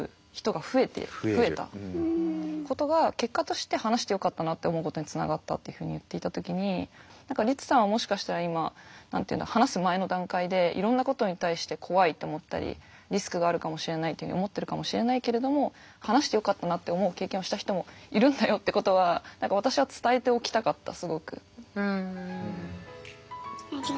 結果として話してよかったなって思うことにつながったっていうふうに言っていた時に何かリツさんはもしかしたら今何て言うんだろう話す前の段階でいろんなことに対して怖いって思ったりリスクがあるかもしれないっていうふうに思ってるかもしれないけれども話してよかったなって思う経験をした人もいるんだよってことは何か私は伝えておきたかったすごく。